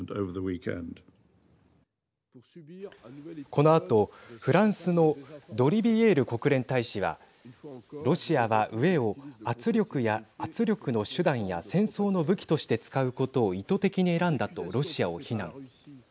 このあとフランスのドリビエール国連大使はロシアは飢えを圧力の手段や戦争の武器として使うことを意図的に選んだとロシアを非難。